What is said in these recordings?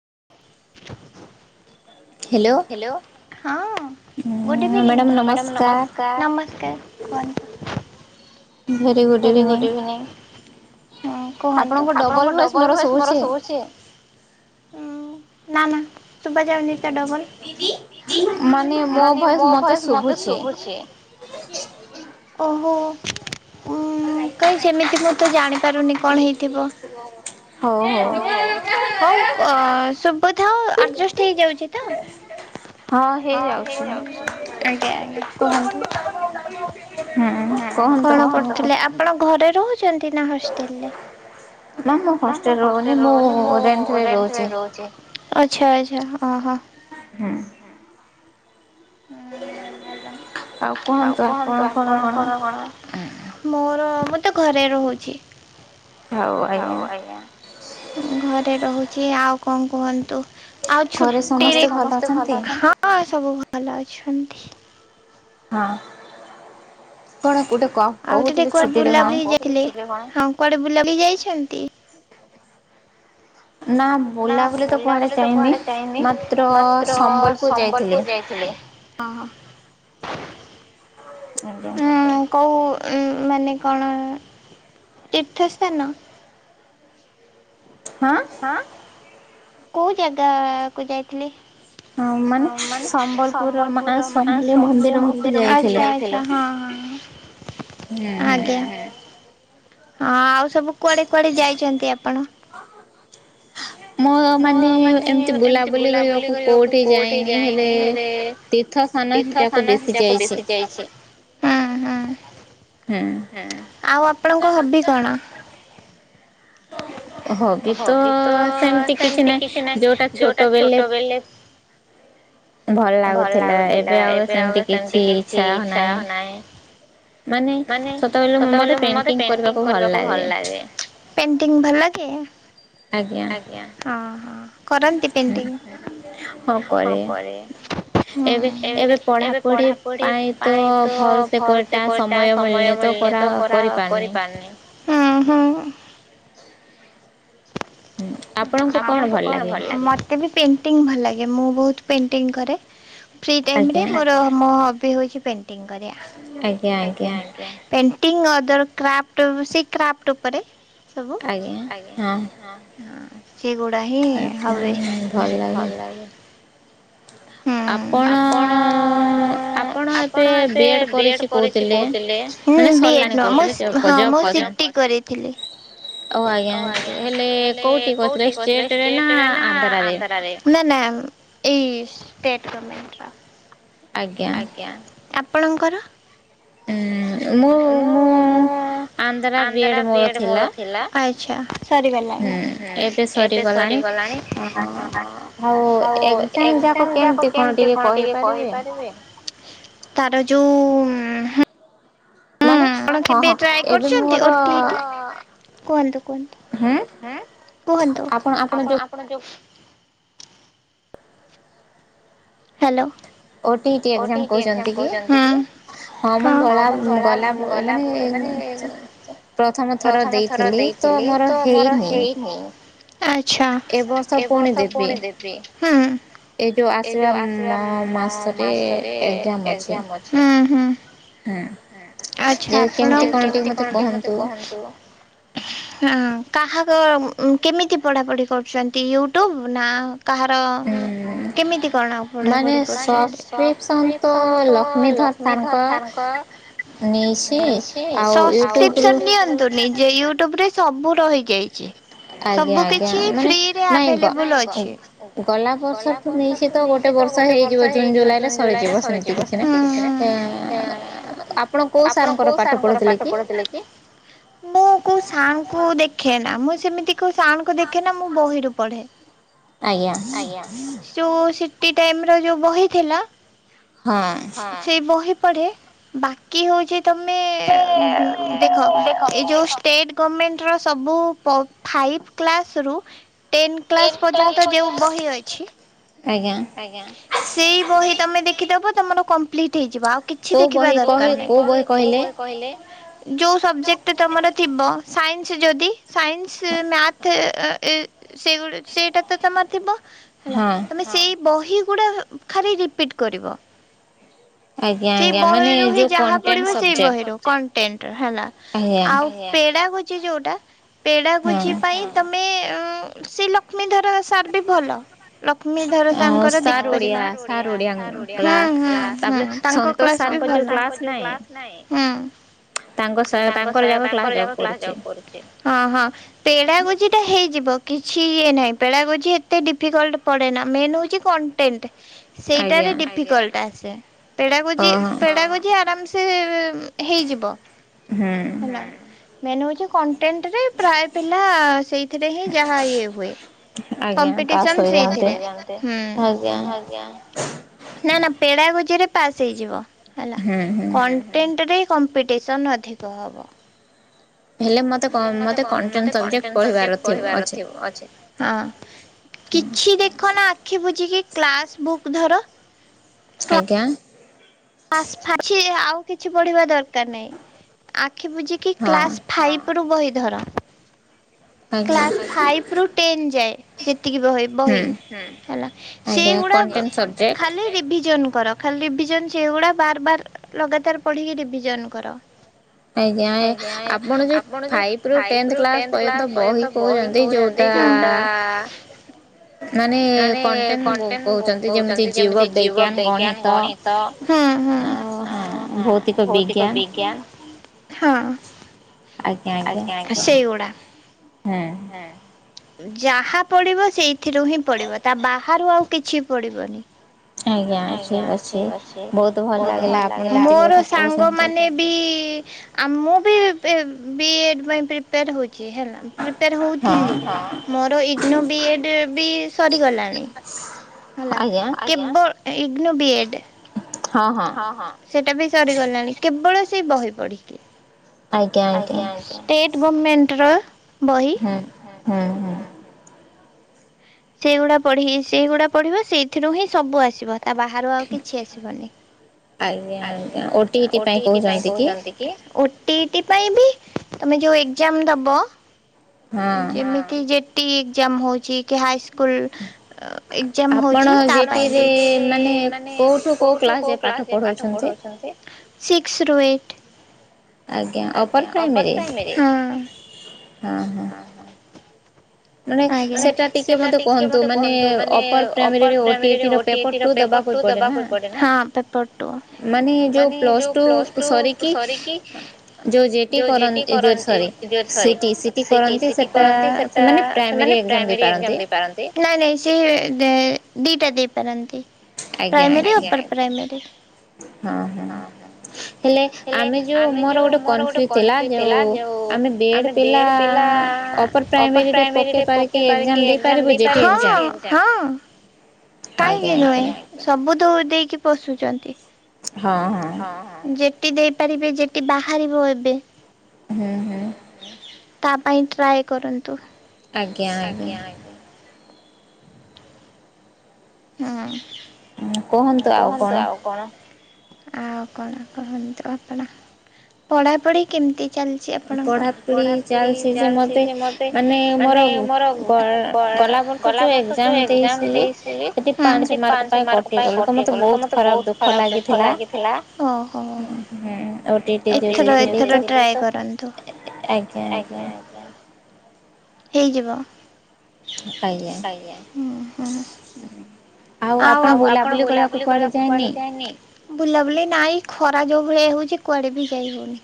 [inaudible] Hello ହଁ good evening madam ନମଃସ୍କାର୍ ନମଃସ୍କାର୍ ଭେରି ଗୁଡ଼୍ ଇଭିନିଂ କୁହନ୍ତୁ ଆପଣଙ୍କ ଡବଲ୍ ଭଏସ୍ ମୋର ଶୁଭୁଛି। ନା ନା ମାନେ ମୋ ଭଏସ୍ ମତେ ଶୁଭୁଛି। ଓହୋ ଉ କାଇଁ ସେମିତି ମତେ ତ ଜାଣି ପାରୁନି କଣ ହେଇଥିବ ହଉ ହଉ ହଉ ଶୁଭୁଥାଉ ଆଡ଼ଜଷ୍ଟ ହେଇଯାଉଚି ତ ହଁ ହେଇଯାଉଛି ଆଜ୍ଞା ଆଜ୍ଞା କୁହନ୍ତୁ କଣ କରୁଥିଲେ ଆପଣ ଘରେ ରୁହନ୍ତି। ରହୁଛନ୍ତି ନା ହଷ୍ଟେଲ ରେ ନା ମୁଁ ହଷ୍ଟେଲରେ ରହୁନି ମୁଁ ରେଣ୍ଟ୍ ରେ ରହୁଚି ଆଛା ଆଛା। ଆଛା ଓହୋ ହୁଁ ହୁଁ ଭଲ ଆଉ କୁହନ୍ତୁ ଆପଣଙ୍କର କଣ? ମୋର ମୁଁ ତେ ଘରେ ରହୁଛି। ହଉ ଆଜ୍ଞା ଘରେ ରହୁଛି। କି ଆଉ କଣ କୁହନ୍ତୁ? ଆଉ ଛୁଟିରେ ଘରେ ସମସ୍ତେ ଭଲ ହଁ ସବୁ ଭଲ। ଭଲ ଅଛନ୍ତି। ହଁ କଣ ଗୋଟେ ଆଉ ଟିକେ କୁଆଡ଼େ ବୁଲାବୁଲି ଯାଇଥିଲେ ହଁ କୁଆଡ଼େ ବୁଲାବୁଲି ଯାଇ ଛନ୍ତି। ନା ବୁଲାବୁଲି ତ କୁଆଡ଼େ ଯାଇନି ମାତ୍ର ସମ୍ବଲପୁର ଯାଇଥିଲି। ଆଜ୍ଞା ମାନେ କଣ ତୀର୍ଥସ୍ଥାନ ହଁ କୋଉ ଜାଗା କୁ ଯାଇଥିଲେ? ହଁ ମାନେ ସମ୍ବଲପୁରର ମା ସମଲେଇ ମନ୍ଦିର ଆଜ୍ଞା ଆଜ୍ଞା ହଁ ହଁ ଆଜ୍ଞା। ହଁ ଆଉ ସବୁ କୁଆଡ଼େ କୁଆଡ଼େ ଯାଇଛନ୍ତି ଆପଣ। ମୋ ମାନେ ଏମତି ବୁଲାବୁଲି କରିବାକୁ କୋଉଠିକି ଯାଇନି ହେଲେ ତୀର୍ଥ ସ୍ଥାନ ଯାକ ବେଶୀ ଯାଇଛି ହୁଁ ହୁଁ। ଆଉ ଆପଣଙ୍କ ହବି କଣ? ହବି ତ ସେମିତି କିଛି ନାହିଁ ଯୋଉଟା ଛୋଟ ବେଲେ ଭଲ ଲାଗୁଥିଲା ଏବେ ଆଉ ସେମିତି କିଛି ଇଚ୍ଛା ଆଉ ନାହିଁ। ମାନେ ସୋତ ବେଳେ ମତେ ପେଣ୍ଟିଙ୍ଗ କରିବାକୁ ଭଲ ଲାଗେ ପେଣ୍ଟିଙ୍ଗ ଭଲ ଲାଗେ ଆଜ୍ଞା ହଁ ହୁଁ ହଁ କରେ ଏବେ ଏବେ ପଢାପଢି ପାଇଁ ତ ଭଲ ସେ କଟା ସ ଟା ସମୟ ମିଳନି ତ କରା କରିପାରନି ହୁଁ ହୁଁ ଆପଣଙ୍କୁ କଣ ଭଲ ଲାଗେ, ମତେ ବି ପେଣ୍ଟି ଭଲ ଲାଗେ ମୁଁ ବହୁତ ପେଣ୍ଟିଙ୍ଗ କରେ। ଫ୍ରି ଟାଇମରେ ମୋର ମୋ ହବି ହୋଉଛି। ଆକ୍ଟିଙ୍ଗ କରିବା ଆଜ୍ଞା ଆଜ୍ଞା ପେ କ୍ଟିଂ ଅଦର କ୍ରାଫ୍ଟ ସେଇ କ୍ରାଫ୍ଟ ଉପରେ। ଆଜ୍ଞା ହଁ ହଁ ସେଗୁଡା ହିଁ ହବି ଭଲ ଲାଗେ। ହୁଁ ଆପଣ ଆପଣ ଏବେ ବି ଏଡ କରିଛି କହୁଥିଲେ, ହୁଁ ବେ ଡ ନୁହଁ ମୁଁ ହଁ ମୁଁ ସିଟି କରିଥିଲି, ଆଉ ଆଜ୍ଞା। ହେଲେ କୋଉଠି କରିଥିଲେ ଷ୍ଟେଟରେ ନା ଆନ୍ଧ୍ରରେ ନା ନା ଏଇ ଟେଟ୍ରର ମେଟ୍ରା। ଆଜ୍ଞା ଆପଣଙ୍କର। ମୁଁ ମୁଁ ଆନ୍ଧ୍ରା ବି ଏଡ ମୋର ଥିଲା ଆଚ୍ଛା ସରିଗଲାଣି ହୁଁ ଏବେ ସରିଗଲାଣି ଆ ଆଉ ଏକ୍ଜାମ ଯାକ କେମତି କଣ ଟିକେ କହିପାରିବେ। ତାର ଯୋଉ ହୁଁ। ହୁଁ ଆପଣ କେବେ ଟ୍ରାଏ କରୁଚନ୍ତି ଓ ଟି ଟି କୁଅନ୍ତୁ କୁଅନ୍ତୁ ହୁଁ କୁହନ୍ତୁ ଆପଣ ଆପଣ ଯୋଉ hello. O T T exam କହୁଚନ୍ତି କି ହଁ ମୁଁ ଗଳା ଗଲା ମାନେ ତ ପ୍ରଥମ ଥର ଦେଇଥିଲି ତ ମୋର ହେଇନି। ଆଚ୍ଛା ଏ ବର୍ଷ ପୁଣି ଦେବି ହୁଁ ଏ ଆସିବା ମା ମାସରେ ଏକ୍ଜାମ ଅଛି, ହୁଁ ହୁଁ ହୁଁ ଆଚ୍ଛା ଆପଣ କେମତି କଣ ଟିକେ ମତେ କହନ୍ତୁ ହୁଁ। ହୁଁ କାହା ଗରମ କେମିତି ପଢ଼ାପଢ଼ି କରୁଚନ୍ତି ୟୁଟ୍ୟୁବ ନା କାହାର କେମିତି କଣ ପଢ଼ା ପଢ଼ି କରୁଚନ୍ତି ନା ସସ୍କ୍ରିପସନ ତ ଲକ୍ଷ୍ମୀଧର ସାର ଙ୍କର ନେଇଛି ସସ୍କ୍ରିପସନ ନିଅନ୍ତୁ ନେଇ ଯାଇ ୟୁଟୁବ ରେ ସବୁ ରହିଯାଇଚି। ଆଜ୍ଞା ଆଜ୍ଞା ମାନେ ନାଇଁ ଗ ଗଲା ବର୍ଷଠୁ ନେଇଛି ନେଇଛି ତ ଗୋଟେ ବର୍ଷା ହେଇଯିବ ଜୁନ ଜୁଲାଇ ରେ ସରିଯିବ ହୁଁ ହୁଁ ସେମତି କିଛି ନାହିଁ ୟା ଆପଣ କୋଉ ସାର ଙ୍କର ପାଠ ପଢୁଥିଲେ କି ମୁଁ କୋଉ ସାରଙ୍କୁ ଦେଖେନା। ମୁଁ ସେମିତି ସାଣଙ୍କୁ ଦେଖେ ନା ମୁଁ ବହି ର ବଢ଼େ ଆଜ୍ଞା ର ଯୋଉ ବହି ଥିଲା ସେଇ ବହି ବାକି ହଉଛି ତମେ ଦେଖ ଏ ଯୋଉ ଷ୍ଟେପ ଗମେଣ୍ଟ ସବୁ ଫାଇଭ କ୍ଲାସ ରୁ ଟେନ୍ କ୍ଲାସ ପର୍ଯ୍ୟନ୍ତ ଯେଉ ବହି ଅଛି। ଆଜ୍ଞା ସେଇ ବହି ତମେ ଦେଖିଦବ ତମର କମ୍ପଲିଟଜ୍ ଯିବା ଆଉ କିଛି ଦେଖିବା ଦରକାର ନାହିଁ। କହେ କୋଉ ବହି କହିଲେ? ଯୋଉ ସବଜେକ୍ଟ ତମର ଥିବ ସାଇନ୍ସ ଯଦି ସାଇନ୍ସ ମ୍ୟାଥ ସେ ସେଇଟା ତ ତମ ଥିବ ହେଲା ତମେ ସେଇ କହି ଗୁଡା ଖାଲି ରିପିଟ କରିବ। ସେଇ ବହିରୁ ହିଁ ଯାହା ପଡିବ ସେଇ ବହିରୁ କ ଟେନ୍ ହେଲା ଆଉ ପେଡଗୋ ଯୋଉଟା ପେଡ଼ାଗୋଜି ପାଇଁ ତମେ ଶ୍ରୀଲକ୍ଷ୍ମୀଧର ସାର୍ ବି ଭଲ ଲକ୍ଷ୍ମୀ ଧର ତାଙ୍କର ଦେଖିପାରିବ ହୁଁ ହୁଁ ତାଙ୍କ କ୍ଲାସ ବି ଭଲ ହୁଁ ହିଁ ହିଁ ତାଙ୍କରା ପେଡାଗୋ ହେଇଯିବ କି? ଛି ଏ ନାହିଁ ପେଳାଗଛି ଏତେ ଡିଫିକଲ୍ଟ ପଡେନା ମେ ହଉ କି କଣ୍ଟେଣ୍ଟ ସେଇଟାରେ ଡିଫିକଲ୍ଟ ଆସେ। ପେଡାଗୋଜି ପେଡାଗୋଜି ଆରାମ ସେ ସେ ହେଇଯିବ। ହୁଁ। ମେନୁ ଅଛି କଣ ଟେଣ୍ଟ ପ୍ରାୟ ପିଲା ସେଇଥିରେ ହିଁ ଯାହା ଇ ହୁଏ କମ୍ପିଟିସନ୍ ସେଇଥିରେ। ହଁୁ ଆଜ୍ଞା ନା ନା ପେଡା ରେଜ ରେ ପାସ୍ ହେଇଯିବ ହେଲା କଣ୍ଟେଣ୍ଟ ରେ ଏ କମ୍ପିଟେସନ୍ ଅଧିକ ହେବ ହେଲେ ମୋତେ କଣ୍ଟେନ୍ ସବଜେକ୍ଟ ବଢ଼ିବାର ଥିବା ଅଛି କିଛି ଦେଖ ନା ଆଖି ବୁଝିକି କ୍ଲାସ୍ ବୁକ୍ ଧରଅ ଆଜ୍ଞା ଆ ଫ ଫାଛି ଆଉ [unintelligible] କିଛି ପଢିବା ଦରକାର ନାହିଁ ଆ ଆଖି ବୁଝ କି କ୍ଲାସ୍ ଫାଇପ୍ ଠୁ ବହି ଧର କ୍ଲାସ ଫାଇପ୍ ରୁ ଟେନ୍ ଯାଏ ଯେ ଏତିକି ବହି ବହି ହେଲା ସେଗୁଡ଼ା ଖାଲି ରିଭିଯନ ପରଖାଲି ରିଭିଜନ ସେଗୁଡା ବାର ବାର ଲଗାତାର ପଢିକି ରିଭିଜନ କର। ଆଜ୍ଞା ଆପଣ ଯୋଉ ଫାଇପ୍ ରୁ ଟ୍ରେଣ୍ଟ ପର୍ନ୍ତ ବହି କହୁଛନ୍ତି ଯୋଉଟା ଆ ମାନେ କଣ୍ଟେଣ୍ଟ କହୁଛନ୍ତି ଯେମିତି ଜୀବ ବିଜ୍ଞାନ ଗଣିତ ହୁଁ ହୁଁ ଆଉ ହଁ ଭୌତିକ ବିଜ୍ଞାନ ହଁଅ ଆଜ୍ଞା ସେଗୁଡ଼ା େହଁ ଯାହା ପଡିବ ସେଇଟି ଆଖି ରୁ ହିଁ ପଡିବ ତା ବାହା ହାରୁ ଆଉ କିଛି ପଡ଼ିବନି ଆଜ୍ଞା ଠିକ ଅଛି ବହୁତ ଭଲ ଲାଗେ ମୋର ସାଙ୍ଗ ମାନେ ବି ଆ ମୁଁ ବି ବିଏଡି ପ୍ରିପ୍ରାୟ ହଉଛି ହେଲା ପ୍ରିପ୍ରା ହଉଥିଲି ମୋର ଇଗ୍ନୋ ବି ଏ ଡି ବି ସରି ଗଲାଣି ହେଲା ଇଗ୍ନୋବିିଏଡ଼୍ ହଁ ହଁ ସେଟା ବି ସରିଗଲାଣି କେବଳ ଅ ସେ ବହି ପଢିଲି ଆଜ୍ଞା ଆଜ୍ ଷ୍ଟେ ଏବଂ ମେଣ୍ଟର ହୁଁ ହୁଁ ହଁ ସେଇଗୁଡା ପଢ ସେଇଗୁଡା ପଢିବ ସେଇଥିରୁ ହିଁ ସବୁ ଆସିବ ତା ବାହାରୁ ଆଉ କିଛି ଆସିବନି ଆଜ୍ଞା ଆଜ୍ଞା ଓଟିଇ ପାଇଁ କହୁଛନ୍ତି କି? ବି ତମେ ଯୋଉ ଏଜ ଦବ ଯେମିତି ଯେ ଟି ଏଗ୍ଜାମ ହଉଛି କି ହାଇ ସ୍କୁଲ ଏଜାମ ହଉଛି ତା ପାଇଁ ମାନେ କୋଉଠୁ କୋଉ କ? ପଢୋଉଛନ୍ତି ସିକ୍ସ ରୁ ଏଇଟ ଟା ଟିକେ ମେ କହନ୍ତୁ ମାନୋନ ସେମାନେ ପ୍ରାଇମୀ ଦେଇପାରନ୍ତି। ଦିଟା ଦେଇପାରନ୍ତି। ଆ୍ା ହଁ ହଁ ହେଲେ ଆମେ ଯୋଉ ମୋର ଗୋଟେ କନଜ ଥିଲା ଯୋଉ ଆମେ ବେଡ ପିଲା ଅପର ପ୍ରାଇେରୀରେକେଇ ପକେଇ ପାରିକିଜ ଦେଇପାରିବ କାହିଁକି ନୁହେଁ ସବୁ ତ ଦେଇକି ପଶୁଛନ୍ତି। ହଁ ଯେ ଦେଇ ପାରିବେ ଯେଠି ବାହାରିବ ଏବେ ହୁଁ ହୁଁ ତା ପାଇଁ ଟ୍ରାଏ କରନ୍ତୁ। ଆଜ୍ଞା ଆଜ୍ଞା ହଁ କୁହନ୍ତୁ ଆଉ କଣ? ଆଉ କଣ କହନ୍ତୁ ଆପଣ ପଢାପଢି କେମିତି? ଚା ଆପଣଙ୍କର ପଢାପିଢି ଚାଲିଛି ଯେ ମତେ ମାନେ ମୋର ଗଲା ବର୍ଷ ଯୋଉ ଏଜାମ ଦେଇି ସେଠି ପାଞ୍ଚ ମାର୍କ ଗଲୁ ତତେ ବହୁତ ଖରା ଦୁଖ ଲାଗଥିଲାଥ ଆୁ ଆଜ୍ଞା ଆଜ୍ଞା ହେଇଯିବ। ଗୋଟା ହୁଁ ହୁଁ ଆଉ ଆଉ ଆପଣ ବୁଲାବୁଲି କରିବାକୁ ପୁଡେ ଯାଏନି ବୁଲାବୁଲି ନାଇଁ ଖରା ଯୋଉ ଭଳିଆ ହଉଛି କୁଆଡେ ବି ଯାଇ ହଉନି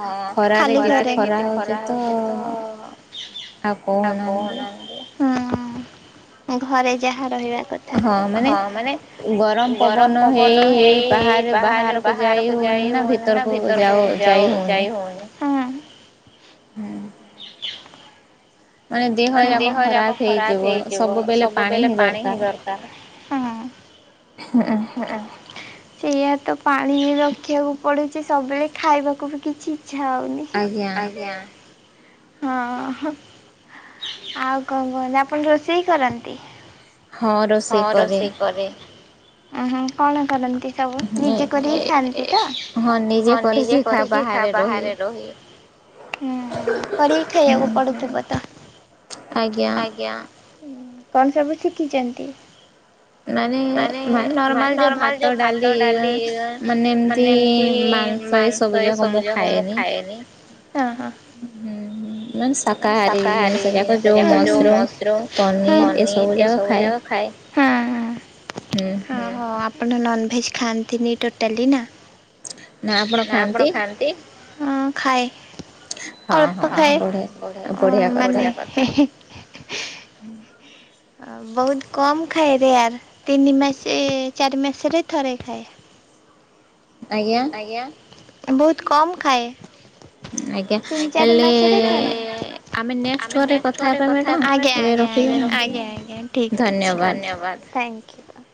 ହଁ ଖାଲି ଖରା ହଉଛି ତ ଆଉ କହୁନାହାନ୍ତି। ହୁଁ ଘରେ ଯାହା ରହିବା ହଁ ମାନେ ଗରମ ପବନ ହେଇ ହେଇ ବାହାରେ ବାହାରକୁ ଯାଇ ହଉନି ନା ଭିତରକୁ ଯାଇ ହଉନି। ମାନେ ଦେହ ଯାକ ଖରାପ ହେଇଯିବ ସବୁବେଳେ ପାଣି ହିଁ ଦରକାର। ହ। ସେଇଆ ତ ପାଣି ରଖିବାକୁ ପଡୁଛି ସବୁବେଳେ ଖାଇବାକୁ ବି କିଛି ଇଛା ହଉନି ଆଜ୍ଞା। ହଁ ଆଉ କଣ କୁହନ୍ତି ଆପଣ ରୋଷେଇ କରନ୍ତି? ହଁ ରୋଷେଇ କରେ। ଓଁ ହଁ କଣ କରନ୍ତି ସବୁ ନିଜେ କରିକି ଖାଆନ୍ତି ତ। ଆ ହଁ ନିଜେ କରିକି ବାହାରେ ରହି କରିକି ଖାଇବାକୁ ପଡୁଥିବ। ତ ଆଜ୍ଞା କଣ ସବୁ ଶିଖିଛନ୍ତି। ମାନେ ଭାନ ମ ନର୍ମାଲ ଯୋଉ ଭାତ ଡାଲି ମାନେ ଏମତି ମାଂସ ଏ ସବୁ ଯାକ ମୁଁ ଖାଏନି। ହୁଁ ମାନେ ଶାକାହାରୀ ଜିନିଷ ଯାକ ଯୋଉ ମସରୁମ ପନିର ଏସବୁ ଯାକ ଖାଏ। ହଁ ହଁ ଆପ ଆପଣ ନନ୍ଭେଜ୍ ଖାଆନ୍ତିନି ଟୋଟାଲି ନା। ନା ଆପଣ ଖାଆନ୍ତି ହ ଖାଏ ଅଳ୍ପ ଖାଏ। ହୁଁ। ବହୁତ କମ ଖାଏରେ ଆର ତିନି ମାସ ଚାରି ମାସରେ ଥରେ ଖାଏ। ଆଜ୍ଞା ବହୁତ କ ଖାଏାତିନି ଚାରି ମାସରେ ଥରେ। ଆମେ ନେକ୍ସଟ୍ ପରେ କଥା ହେବା ଆଜ୍ଞା ଆଜ୍ଞା। ଆଜ୍ଞା ଠିକ ଅଛି ଧନ୍ୟବାଦ ଥ୍ୟାଙ୍କ ୟୁ।